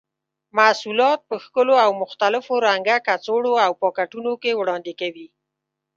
محصولات په ښکلو او مختلفو رنګه کڅوړو او پاکټونو کې وړاندې کوي.